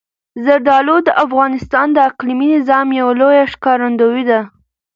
زردالو د افغانستان د اقلیمي نظام یوه لویه ښکارندوی ده.